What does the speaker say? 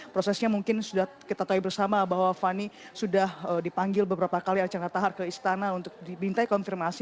prosesnya mungkin sudah kita tahu bersama bahwa fani sudah dipanggil beberapa kali archandra tahar ke istana untuk dimintai konfirmasi